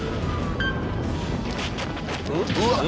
うわっ！